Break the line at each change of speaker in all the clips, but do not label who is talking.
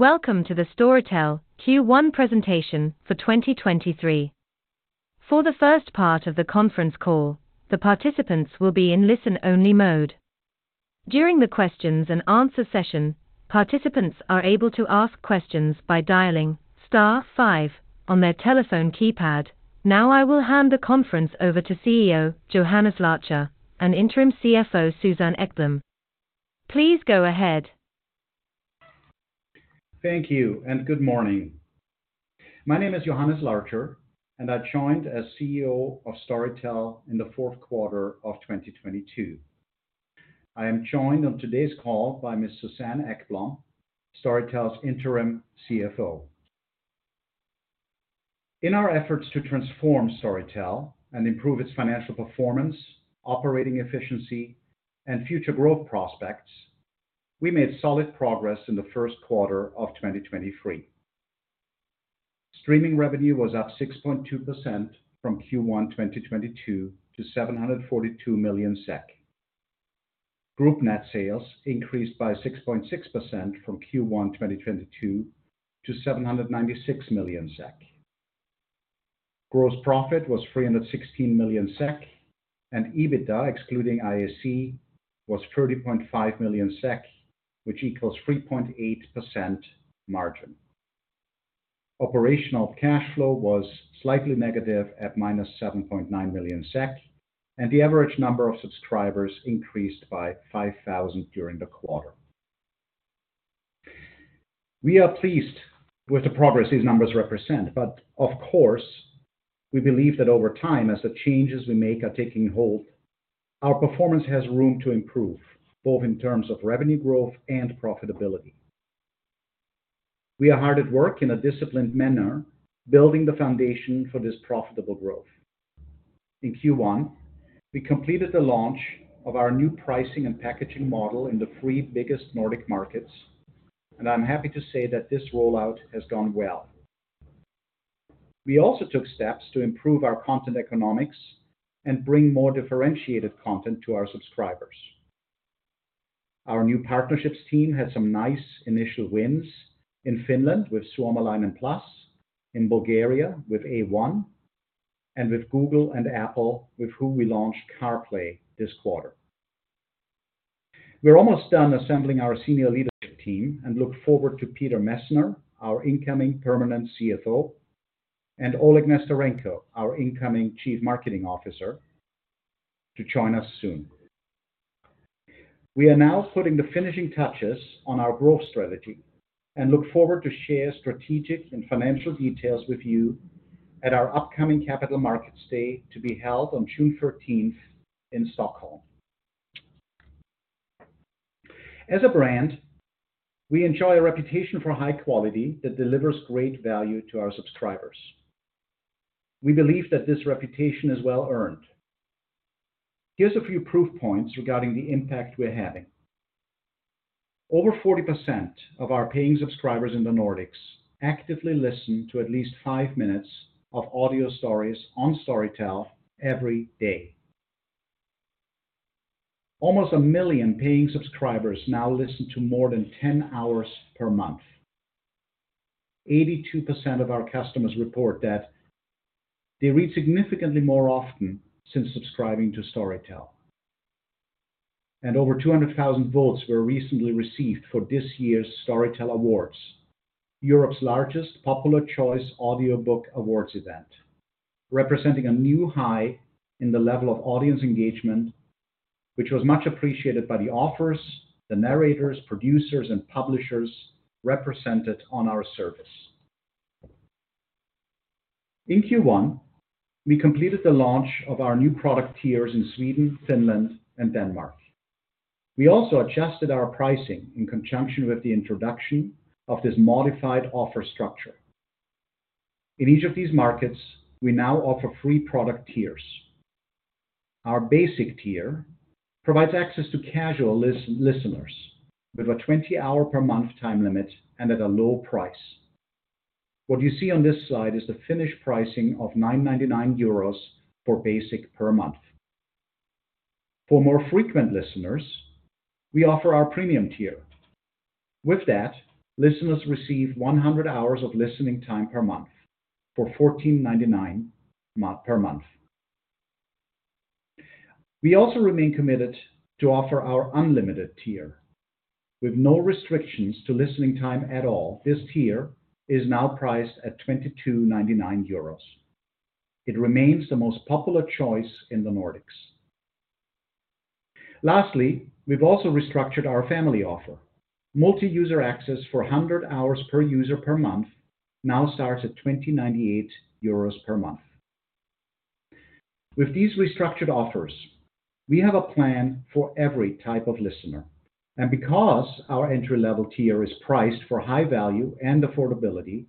Welcome to the Storytel Q1 presentation for 2023. For the first part of the conference call, the participants will be in listen-only mode. During the questions and answer session, participants are able to ask questions by dialing star five on their telephone keypad. I will hand the conference over to CEO, Johannes Larcher, and interim CFO, Susanne Ekblom. Please go ahead.
Thank you. Good morning. My name is Johannes Larcher. I joined as CEO of Storytel in the fourth quarter of 2022. I am joined on today's call by Ms. Susanne Ekblom, Storytel's interim CFO. In our efforts to transform Storytel and improve its financial performance, operating efficiency, and future growth prospects, we made solid progress in the first quarter of 2023. Streaming revenue was up 6.2% from Q1 2022 to 742 million SEK. Group net sales increased by 6.6% from Q1 2022 to 796 million SEK. Gross profit was 316 million SEK. EBITDA, excluding IAC, was 30.5 million SEK, which equals 3.8% margin. Operational cash flow was slightly negative at -7.9 million SEK. The average number of subscribers increased by 5,000 during the quarter. We are pleased with the progress these numbers represent, but of course, we believe that over time, as the changes we make are taking hold, our performance has room to improve, both in terms of revenue growth and profitability. We are hard at work in a disciplined manner, building the foundation for this profitable growth. In Q1, we completed the launch of our new pricing and packaging model in the three biggest Nordic markets. I'm happy to say that this rollout has gone well. We also took steps to improve our content economics and bring more differentiated content to our subscribers. Our new partnerships team had some nice initial wins in Finland with Suomalainen Plus, in Bulgaria with A1, and with Google and Apple, with who we launched CarPlay this quarter. We're almost done assembling our senior leadership team and look forward to Peter Messner, our incoming permanent CFO, and Oleg Nesterenko, our incoming Chief Marketing Officer, to join us soon. We are now putting the finishing touches on our growth strategy and look forward to share strategic and financial details with you at our upcoming Capital Markets Day to be held on June 14th in Stockholm. As a brand, we enjoy a reputation for high quality that delivers great value to our subscribers. We believe that this reputation is well-earned. Here's a few proof points regarding the impact we're having. Over 40% of our paying subscribers in the Nordics actively listen to at least five minutes of audio stories on Storytel every day. Almost 1 million paying subscribers now listen to more than 10 hours per month. 82% of our customers report that they read significantly more often since subscribing to Storytel. Over 200,000 votes were recently received for this year's Storytel Awards, Europe's largest popular choice audiobook awards event, representing a new high in the level of audience engagement, which was much appreciated by the authors, the narrators, producers, and publishers represented on our service. In Q1, we completed the launch of our new product tiers in Sweden, Finland, and Denmark. We also adjusted our pricing in conjunction with the introduction of this modified offer structure. In each of these markets, we now offer three product tiers. Our basic tier provides access to casual list-listeners with a 20 hour per month time limit and at a low price. What you see on this slide is the finished pricing of 9.99 euros for basic per month. For more frequent listeners, we offer our premium tier. With that, listeners receive 100 hours of listening time per month for 14.99 per month. We also remain committed to offer our unlimited tier with no restrictions to listening time at all. This tier is now priced at 22.99 euros. It remains the most popular choice in the Nordics. We've also restructured our family offer. Multi-user access for 100 hours per user per month now starts at 20.98 euros per month. With these restructured offers, we have a plan for every type of listener. Because our entry-level tier is priced for high value and affordability,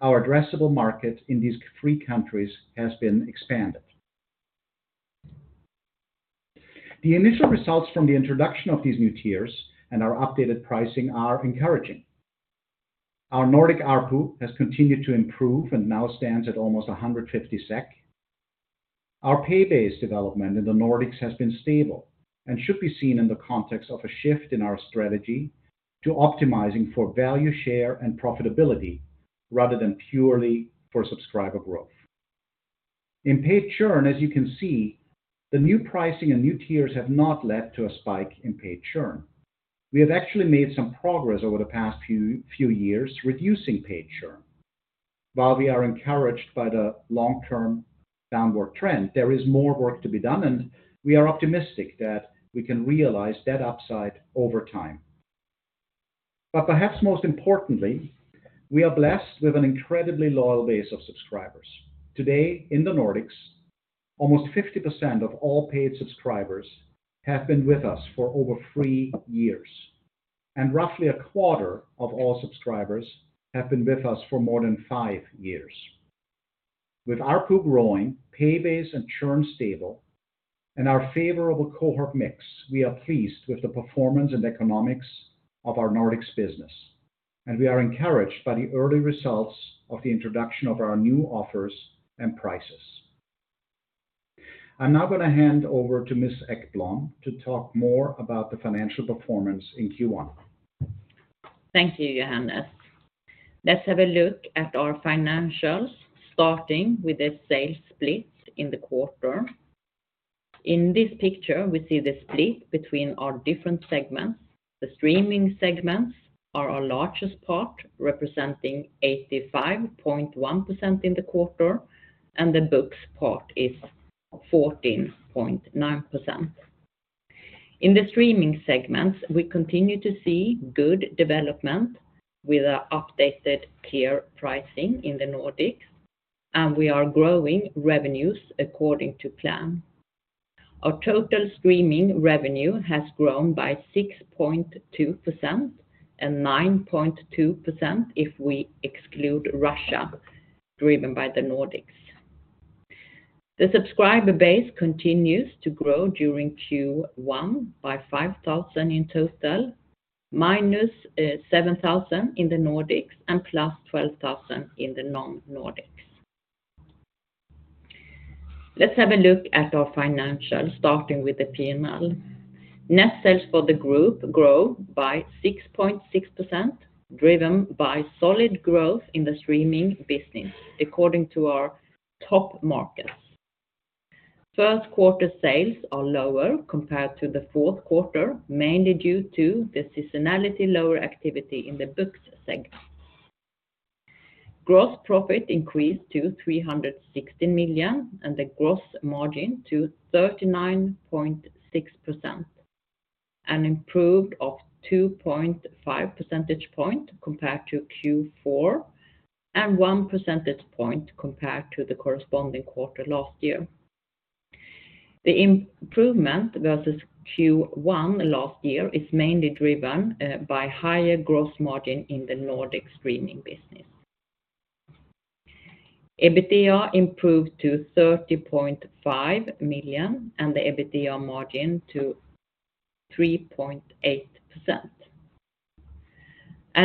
our addressable market in these three countries has been expanded. The initial results from the introduction of these new tiers and our updated pricing are encouraging. Our Nordic ARPU has continued to improve and now stands at almost 150 SEK. Our pay-based development in the Nordics has been stable and should be seen in the context of a shift in our strategy to optimizing for value share and profitability rather than purely for subscriber growth. In paid churn, as you can see, the new pricing and new tiers have not led to a spike in paid churn. We have actually made some progress over the past few years reducing paid churn. While we are encouraged by the long-term downward trend, there is more work to be done, and we are optimistic that we can realize that upside over time. Perhaps most importantly, we are blessed with an incredibly loyal base of subscribers. Today in the Nordics, almost 50% of all paid subscribers have been with us for over three years, and roughly a quarter of all subscribers have been with us for more than five years. With ARPU growing, pay-base and churn stable, and our favorable cohort mix, we are pleased with the performance and economics of our Nordics business, and we are encouraged by the early results of the introduction of our new offers and prices. I'm now gonna hand over to Ms. Ekblom to talk more about the financial performance in Q1.
Thank you, Johannes. Let's have a look at our financials, starting with the sales split in the quarter. In this picture, we see the split between our different segments. The streaming segments are our largest part, representing 85.1% in the quarter, and the books part is 14.9%. In the streaming segments, we continue to see good development with our updated tier pricing in the Nordics, and we are growing revenues according to plan. Our total streaming revenue has grown by 6.2% and 9.2% if we exclude Russia, driven by the Nordics. The subscriber base continues to grow during Q1 by 5,000 in total, minus 7,000 in the Nordics and plus 12,000 in the non-Nordics. Let's have a look at our financials starting with the P&L. Net sales for the group grow by 6.6%, driven by solid growth in the streaming business according to our top markets. First quarter sales are lower compared to the fourth quarter, mainly due to the seasonality lower activity in the books segment. Gross profit increased to 360 million, and the gross margin to 39.6%, an improved of 2.5 percentage point compared to Q4 and 1 percentage point compared to the corresponding quarter last year. The improvement versus Q1 last year is mainly driven by higher gross margin in the Nordic streaming business. EBITDA improved to 30.5 million, and the EBITDA margin to 3.8%.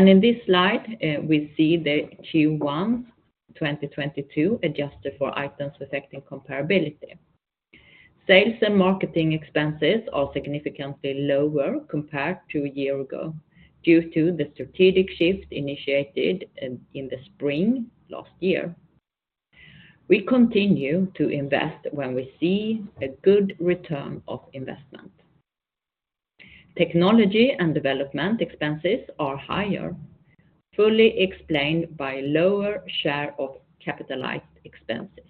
In this slide, we see the Q1 2022 adjusted for Items Affecting Comparability. Sales and marketing expenses are significantly lower compared to a year ago due to the strategic shift initiated in the spring last year. We continue to invest when we see a good return of investment. Technology and development expenses are higher, fully explained by lower share of capitalized expenses.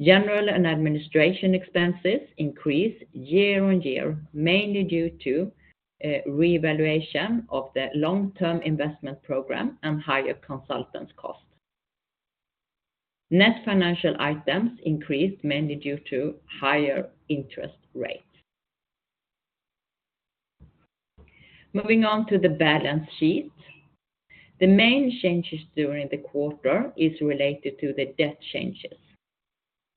General and administration expenses increase year-on-year, mainly due to revaluation of the long-term investment program and higher consultants cost. Net financial items increased mainly due to higher interest rate. Moving on to the balance sheet. The main changes during the quarter is related to the debt changes.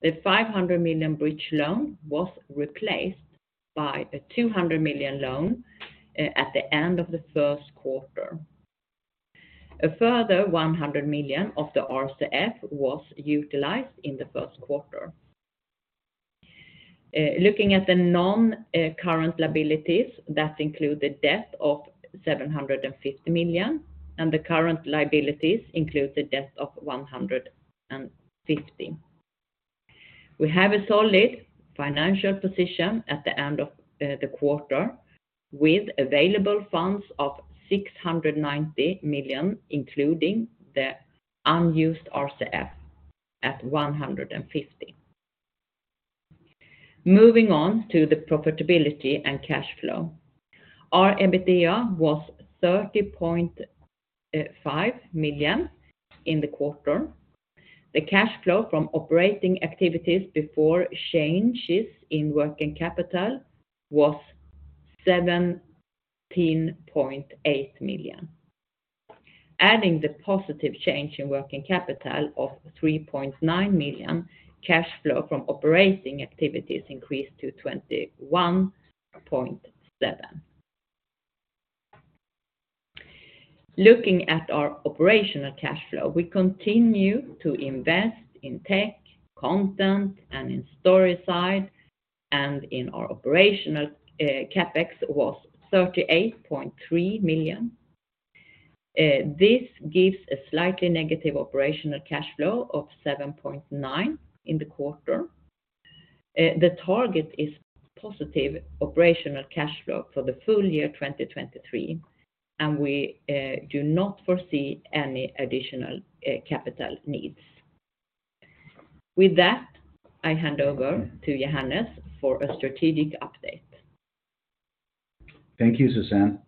The 500 million bridge loan was replaced by a 200 million loan at the end of the first quarter. A further 100 million of the RCF was utilized in the first quarter. Looking at the non-current liabilities, that include the debt of 750 million, and the current liabilities include the debt of 150. We have a solid financial position at the end of the quarter with available funds of 690 million, including the unused RCF at 150. Moving on to the profitability and cash flow. Our EBITDA was 30.5 million in the quarter. The cash flow from operating activities before changes in working capital was 17.8 million. Adding the positive change in working capital of 3.9 million, cash flow from operating activities increased to 21.7 million. Looking at our operational cash flow, we continue to invest in tech, content, and in Storyside, and in our operational CapEx was 38.3 million. This gives a slightly negative operational cash flow of 7.9 in the quarter. The target is positive operational cash flow for the full year 2023, we do not foresee any additional capital needs. With that, I hand over to Johannes for a strategic update.
Thank you, Susanne.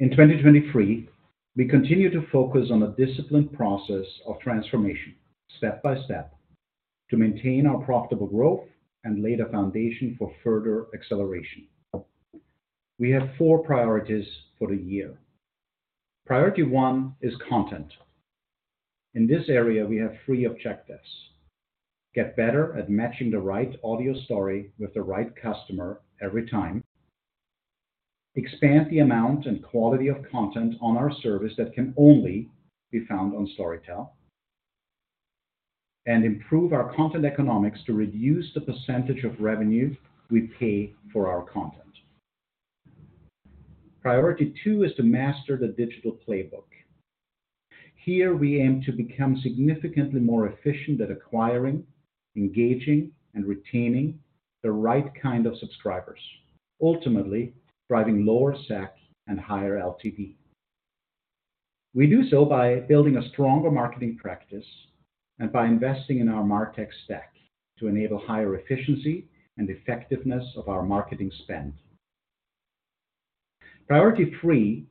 In 2023, we continue to focus on a disciplined process of transformation step by step to maintain our profitable growth and lay the foundation for further acceleration. We have four priorities for the year. Priority one is content. In this area, we have three objectives: get better at matching the right audio story with the right customer every time, expand the amount and quality of content on our service that can only be found on Storytel, and improve our content economics to reduce the percentage of revenue we pay for our content. Priority two is to master the digital playbook. Here we aim to become significantly more efficient at acquiring, engaging, and retaining the right kind of subscribers, ultimately driving lower SAC and higher LTV. We do so by building a stronger marketing practice and by investing in our martech stack to enable higher efficiency and effectiveness of our marketing spend. Priority three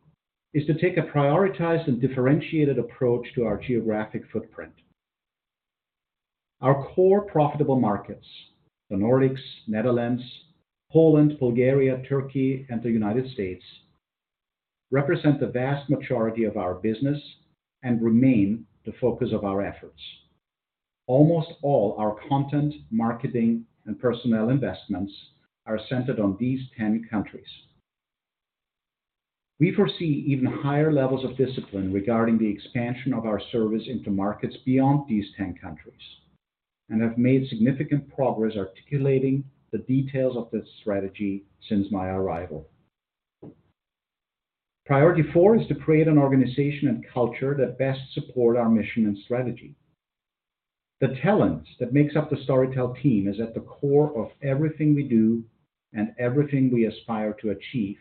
is to take a prioritized and differentiated approach to our geographic footprint. Our core profitable markets, the Nordics, Netherlands, Poland, Bulgaria, Turkey, and the United States, represent the vast majority of our business and remain the focus of our efforts. Almost all our content, marketing, and personnel investments are centered on these 10 countries. We foresee even higher levels of discipline regarding the expansion of our service into markets beyond these 10 countries and have made significant progress articulating the details of this strategy since my arrival. Priority four is to create an organization and culture that best support our mission and strategy. The talent that makes up the Storytel team is at the core of everything we do and everything we aspire to achieve.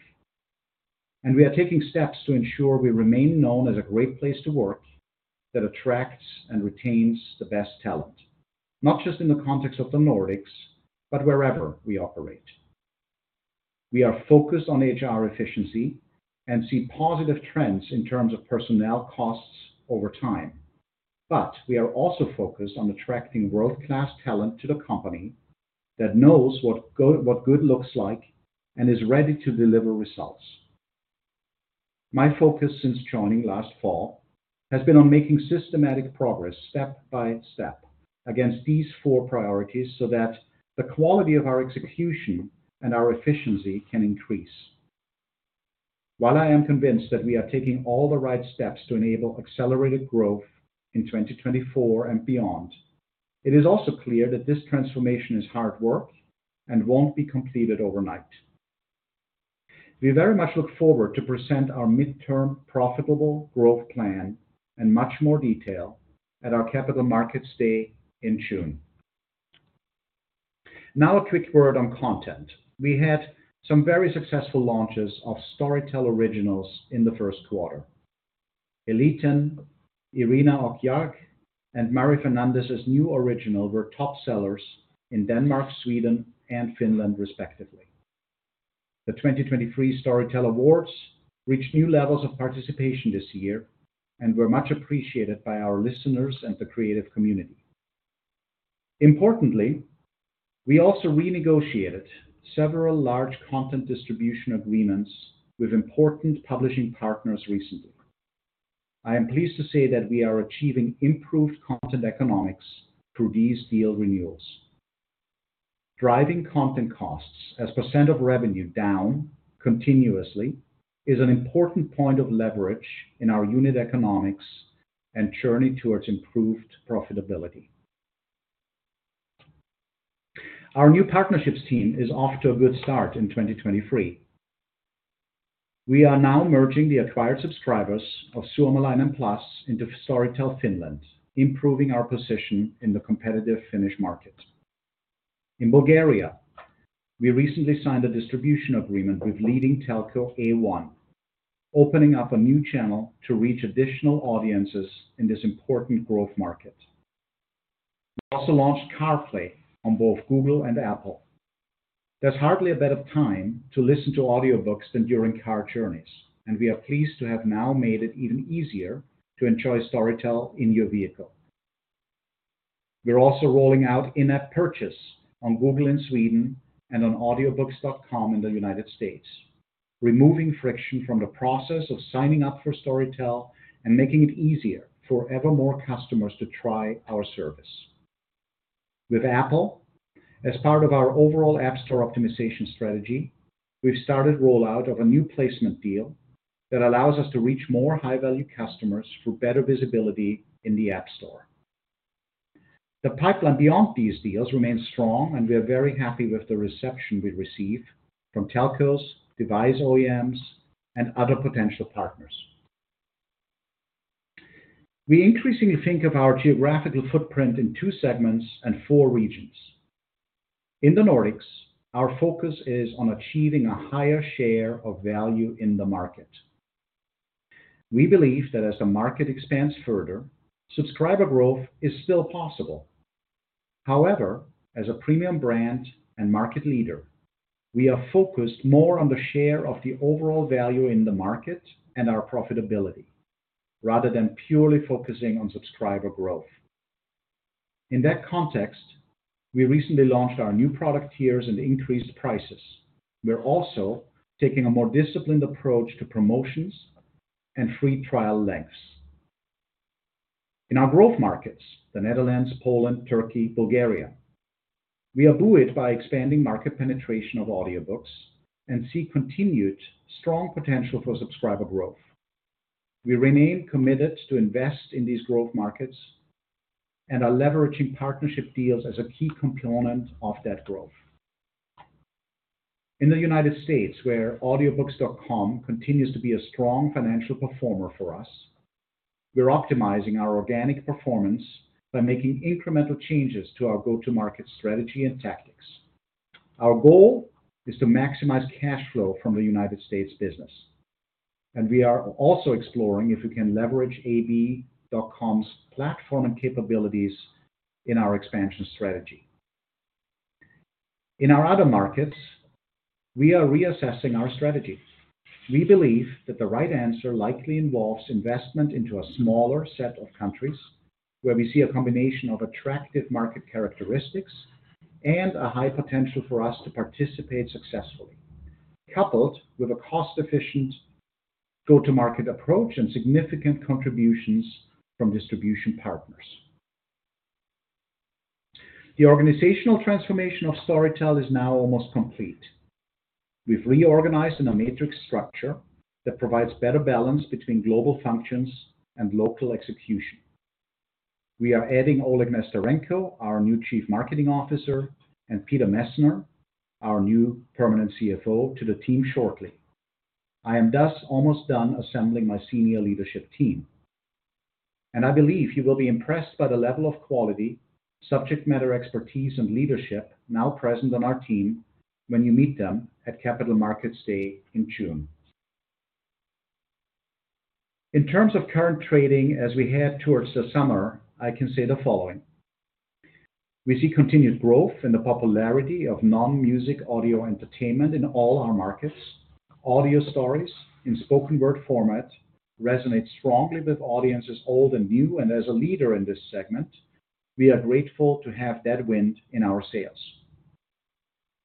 We are taking steps to ensure we remain known as a great place to work that attracts and retains the best talent, not just in the context of the Nordics, but wherever we operate. We are focused on HR efficiency and see positive trends in terms of personnel costs over time. We are also focused on attracting world-class talent to the company that knows what good looks like and is ready to deliver results. My focus since joining last fall has been on making systematic progress step by step against these four priorities so that the quality of our execution and our efficiency can increase. While I am convinced that we are taking all the right steps to enable accelerated growth in 2024 and beyond, it is also clear that this transformation is hard work and won't be completed overnight. We very much look forward to present our midterm profitable growth plan in much more detail at our Capital Markets Day in June. A quick word on content. We had some very successful launches of Storytel Originals in the first quarter. Eliten, Irina och Jack, and Mario Fernandez's new original were top sellers in Denmark, Sweden, and Finland respectively. The 2023 Storytel Awards reached new levels of participation this year and were much appreciated by our listeners and the creative community. Importantly, we also renegotiated several large content distribution agreements with important publishing partners recently. I am pleased to say that we are achieving improved content economics through these deal renewals. Driving content costs as % of revenue down continuously is an important point of leverage in our unit economics and journey towards improved profitability. Our new partnerships team is off to a good start in 2023. We are now merging the acquired subscribers of Suomalainen Plus into Storytel Finland, improving our position in the competitive Finnish market. In Bulgaria, we recently signed a distribution agreement with leading telco A1, opening up a new channel to reach additional audiences in this important growth market. We also launched CarPlay on both Google and Apple. There's hardly a better time to listen to audiobooks than during car journeys. We are pleased to have now made it even easier to enjoy Storytel in your vehicle. We're also rolling out in-app purchase on Google in Sweden and on Audiobooks.com in the United States, removing friction from the process of signing up for Storytel and making it easier for ever more customers to try our service. With Apple, as part of our overall App Store optimization strategy, we've started rollout of a new placement deal that allows us to reach more high-value customers for better visibility in the App Store. The pipeline beyond these deals remains strong, and we are very happy with the reception we receive from telcos, device OEMs, and other potential partners. We increasingly think of our geographical footprint in two segments and four regions. In the Nordics, our focus is on achieving a higher share of value in the market. We believe that as the market expands further, subscriber growth is still possible. However, as a premium brand and market leader, we are focused more on the share of the overall value in the market and our profitability rather than purely focusing on subscriber growth. In that context, we recently launched our new product tiers and increased prices. We're also taking a more disciplined approach to promotions and free trial lengths. In our growth markets, the Netherlands, Poland, Turkey, Bulgaria, we are buoyed by expanding market penetration of audiobooks and see continued strong potential for subscriber growth. We remain committed to invest in these growth markets and are leveraging partnership deals as a key component of that growth. In the United States, where Audiobooks.com continues to be a strong financial performer for us, we're optimizing our organic performance by making incremental changes to our go-to market strategy and tactics. Our goal is to maximize cash flow from the United States business, and we are also exploring if we can leverage AB.com's platform and capabilities in our expansion strategy. In our other markets, we are reassessing our strategy. We believe that the right answer likely involves investment into a smaller set of countries where we see a combination of attractive market characteristics and a high potential for us to participate successfully, coupled with a cost-efficient go-to market approach and significant contributions from distribution partners. The organizational transformation of Storytel is now almost complete. We've reorganized in a matrix structure that provides better balance between global functions and local execution. We are adding Oleg Nesterenko, our new Chief Marketing Officer, and Peter Messner, our new permanent CFO, to the team shortly. I am thus almost done assembling my senior leadership team. I believe you will be impressed by the level of quality, subject matter expertise, and leadership now present on our team when you meet them at Capital Markets Day in June. In terms of current trading as we head towards the summer, I can say the following. We see continued growth in the popularity of non-music audio entertainment in all our markets. Audio stories in spoken word format resonate strongly with audiences old and new. As a leader in this segment, we are grateful to have that wind in our sails.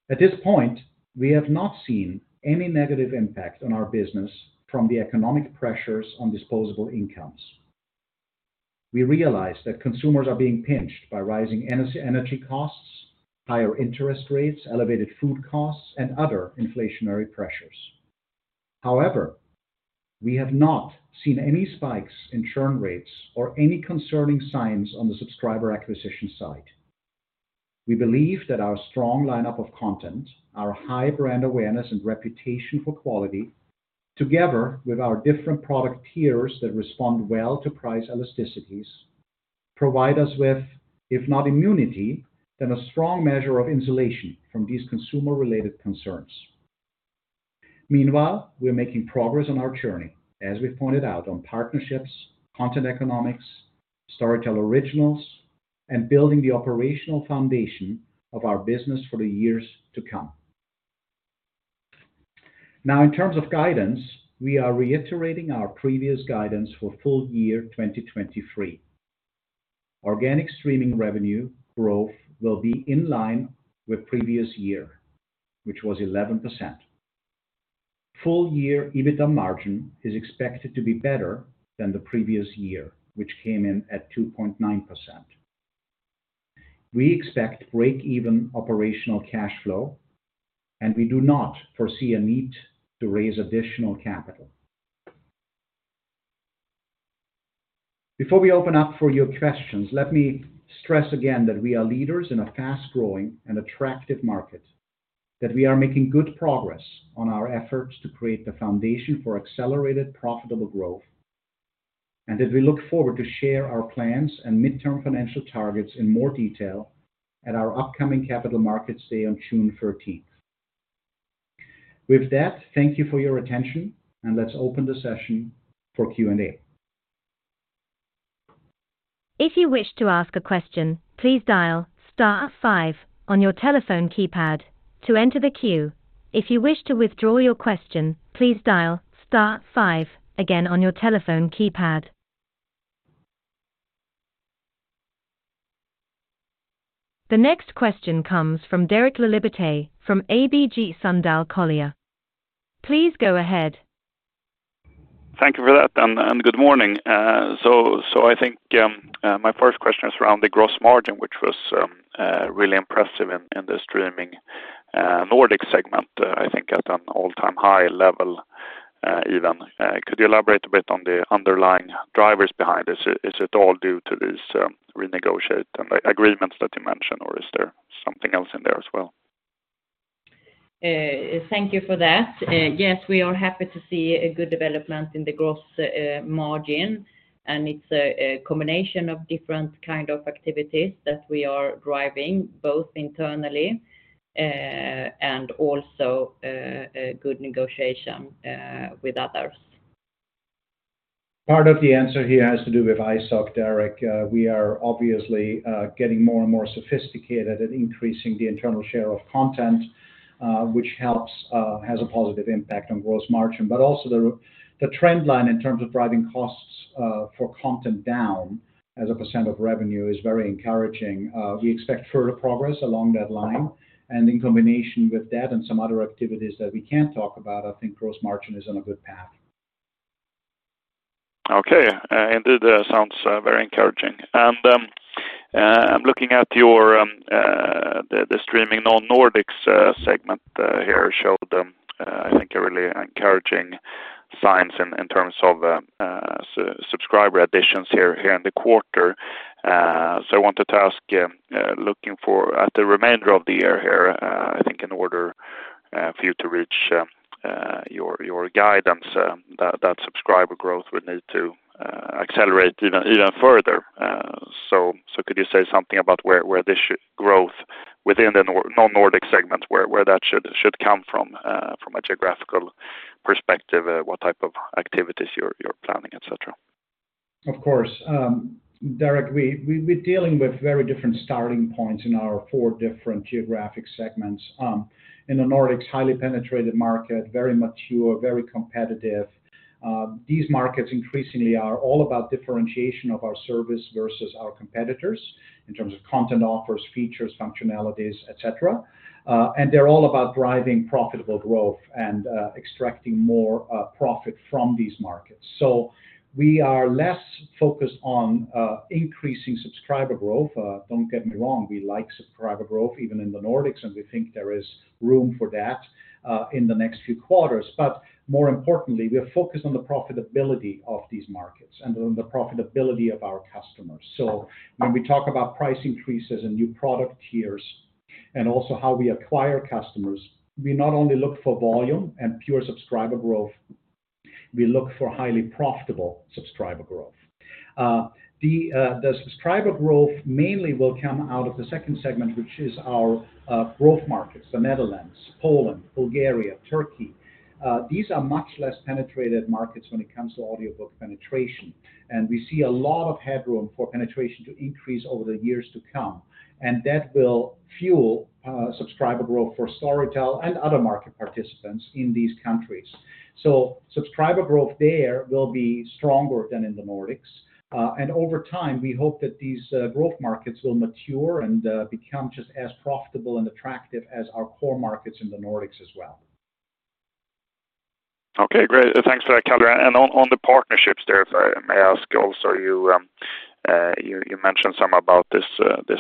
At this point, we have not seen any negative impact on our business from the economic pressures on disposable incomes. We realize that consumers are being pinched by rising energy costs, higher interest rates, elevated food costs, and other inflationary pressures. However, we have not seen any spikes in churn rates or any concerning signs on the subscriber acquisition side. We believe that our strong lineup of content, our high brand awareness and reputation for quality, together with our different product tiers that respond well to price elasticities, provide us with, if not immunity, then a strong measure of insulation from these consumer-related concerns. Meanwhile, we are making progress on our journey, as we pointed out on partnerships, content economics, Storytel Originals, and building the operational foundation of our business for the years to come. In terms of guidance, we are reiterating our previous guidance for full year 2023. Organic streaming revenue growth will be in line with previous year, which was 11%. Full year EBITDA margin is expected to be better than the previous year, which came in at 2.9%. We expect break-even operational cash flow. We do not foresee a need to raise additional capital. Before we open up for your questions, let me stress again that we are leaders in a fast-growing and attractive market, that we are making good progress on our efforts to create the foundation for accelerated, profitable growth, and that we look forward to share our plans and midterm financial targets in more detail at our upcoming Capital Markets Day on June 13th. With that, thank you for your attention, and let's open the session for Q&A.
If you wish to ask a question, please dial star five on your telephone keypad to enter the queue. If you wish to withdraw your question, please dial star five again on your telephone keypad. The next question comes from Derek Laliberté from ABG Sundal Collier. Please go ahead.
Thank you for that and good morning. I think, my first question is around the gross margin, which was really impressive in the streaming Nordic segment. I think at an all-time high level, even. Could you elaborate a bit on the underlying drivers behind this? Is it all due to this renegotiate and agreements that you mentioned, or is there something else in there as well?
Thank you for that. Yes, we are happy to see a good development in the gross margin, and it's a combination of different kind of activities that we are driving both internally, and also, a good negotiation, with others.
Part of the answer here has to do with ISOC, Derek. We are obviously, getting more and more sophisticated at increasing the internal share of content, which helps, has a positive impact on gross margin. Also, the trend line in terms of driving costs, for content down as a percent of revenue is very encouraging. We expect further progress along that line. In combination with that and some other activities that we can't talk about, I think gross margin is on a good path.
Okay. Indeed, that sounds very encouraging. I'm looking at your the streaming non-Nordics segment here showed, I think a really encouraging signs in terms of subscriber additions here in the quarter. I wanted to ask, looking at the remainder of the year here, I think in order for you to reach your guidance, that subscriber growth would need to accelerate even further. Could you say something about where this growth within the non-Nordic segment, where that should come from a geographical perspective, what type of activities you're planning, et cetera?
Of course. Derek, we're dealing with very different starting points in our four different geographic segments. In the Nordics, highly penetrated market, very mature, very competitive. These markets increasingly are all about differentiation of our service versus our competitors in terms of content offers, features, functionalities, et cetera. They're all about driving profitable growth and extracting more profit from these markets. We are less focused on increasing subscriber growth. Don't get me wrong, we like subscriber growth even in the Nordics, and we think there is room for that in the next few quarters. More importantly, we are focused on the profitability of these markets and on the profitability of our customers. When we talk about price increases and new product tiers and also how we acquire customers, we not only look for volume and pure subscriber growth, we look for highly profitable subscriber growth. The subscriber growth mainly will come out of the second segment, which is our growth markets, the Netherlands, Poland, Bulgaria, Turkey. These are much less penetrated markets when it comes to audiobook penetration. We see a lot of headroom for penetration to increase over the years to come. That will fuel subscriber growth for Storytel and other market participants in these countries. Subscriber growth there will be stronger than in the Nordics. Over time, we hope that these growth markets will mature and become just as profitable and attractive as our core markets in the Nordics as well.
Okay, great. Thanks for that, color. On the partnerships there, if I may ask also, you mentioned some about this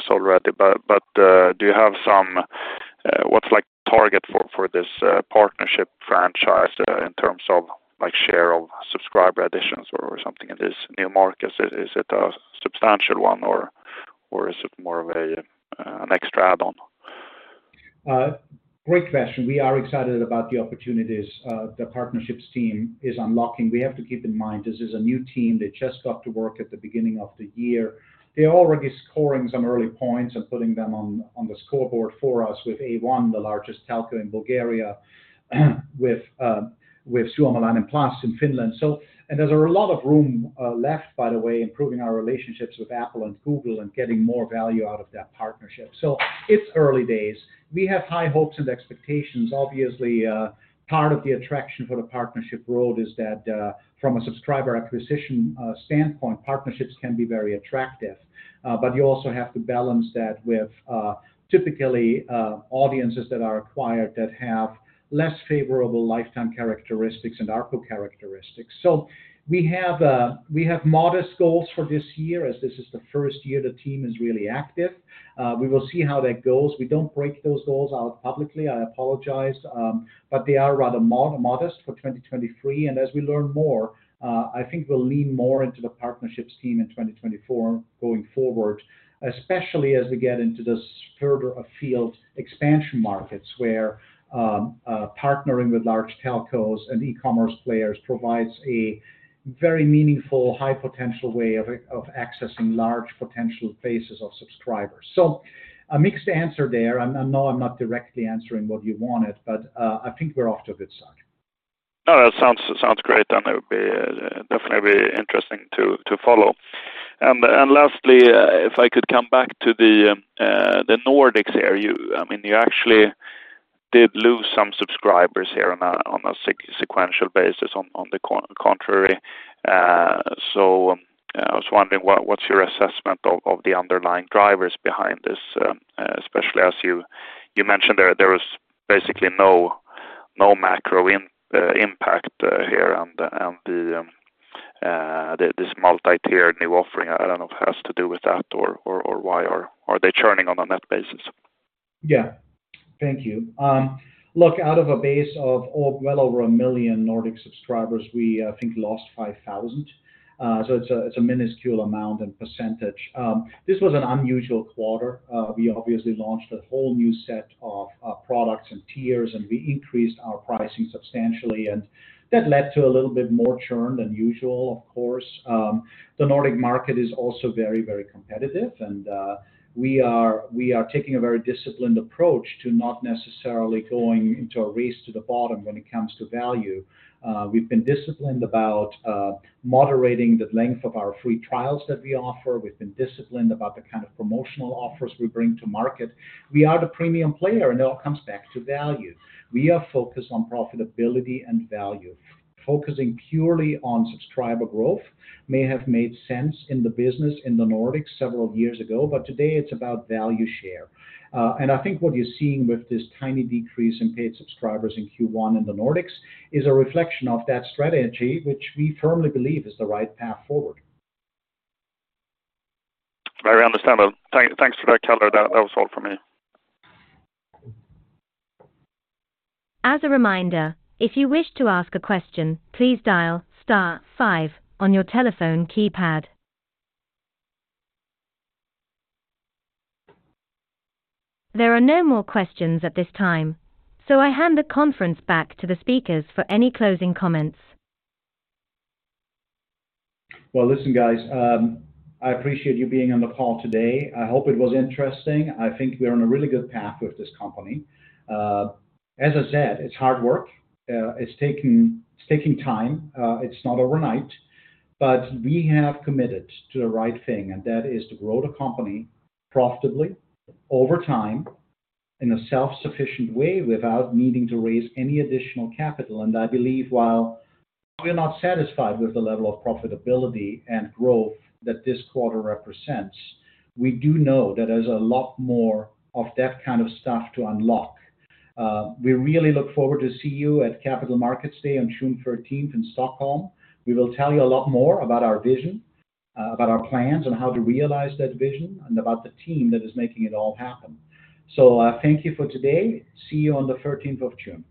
already, but do you have some, what's like target for this partnership franchise, in terms of, like, share of subscriber additions or something in this new markets? Is it a substantial one or is it more of an extra add-on?
Great question. We are excited about the opportunities, the partnerships team is unlocking. We have to keep in mind this is a new team. They just got to work at the beginning of the year. They're already scoring some early points and putting them on the scoreboard for us with A1, the largest telco in Bulgaria, with Suomalainen Plus in Finland. There's a lot of room left, by the way, improving our relationships with Apple and Google and getting more value out of that partnership. It's early days. We have high hopes and expectations. Obviously, part of the attraction for the partnership world is that, from a subscriber acquisition standpoint, partnerships can be very attractive. You also have to balance that with, typically, audiences that are acquired that have less favorable lifetime characteristics and ARPU characteristics. We have modest goals for this year, as this is the first year the team is really active. We will see how that goes. We don't break those goals out publicly, I apologize. They are rather modest for 2023. As we learn more, I think we'll lean more into the partnerships team in 2024 going forward, especially as we get into this further afield expansion markets where, partnering with large telcos and e-commerce players provides a very meaningful, high potential way of accessing large potential bases of subscribers. A mixed answer there. I know I'm not directly answering what you wanted, but, I think we're off to a good start.
No, that sounds great, and it would be definitely interesting to follow. Lastly, if I could come back to the Nordics here. I mean, you actually did lose some subscribers here on a sequential basis on the contrary. I was wondering what's your assessment of the underlying drivers behind this. Actually, as you mentioned, there was basically no macro impact here and the this multi-tiered new offering, I don't know if it has to do with that or why or are they churning on a net basis?
Yeah. Thank you. Look, out of a base of well over 1 million Nordic subscribers, we, I think lost 5,000. It's a, it's a minuscule amount and percentage. This was an unusual quarter. We obviously launched a whole new set of products and tiers, and we increased our pricing substantially, and that led to a little bit more churn than usual, of course. The Nordic market is also very, very competitive and we are taking a very disciplined approach to not necessarily going into a race to the bottom when it comes to value. We've been disciplined about moderating the length of our free trials that we offer. We've been disciplined about the kind of promotional offers we bring to market. We are the premium player, and it all comes back to value. We are focused on profitability and value. Focusing purely on subscriber growth may have made sense in the business in the Nordics several years ago, but today it's about value share. I think what you're seeing with this tiny decrease in paid subscribers in Q1 in the Nordics is a reflection of that strategy, which we firmly believe is the right path forward.
I understand that. Thanks for that color, that was all for me.
As a reminder, if you wish to ask a question, please dial star five on your telephone keypad. There are no more questions at this time, I hand the conference back to the speakers for any closing comments.
Well, listen, guys, I appreciate you being on the call today. I hope it was interesting. I think we're on a really good path with this company. As I said, it's hard work. It's taking time. It's not overnight, but we have committed to the right thing, and that is to grow the company profitably over time in a self-sufficient way without needing to raise any additional capital. I believe while we're not satisfied with the level of profitability and growth that this quarter represents, we do know that there's a lot more of that kind of stuff to unlock. We really look forward to see you at Capital Markets Day on June 13 in Stockholm. We will tell you a lot more about our vision, about our plans on how to realize that vision and about the team that is making it all happen. Thank you for today. See you on June 13th.